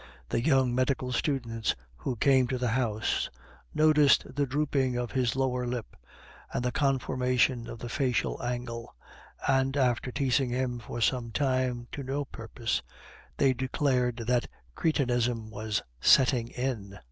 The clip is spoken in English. The young medical students who came to the house noticed the drooping of his lower lip and the conformation of the facial angle; and, after teasing him for some time to no purpose, they declared that cretinism was setting in.